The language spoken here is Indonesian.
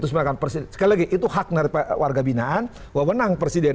sekali lagi itu hak warga binaan wewenang presiden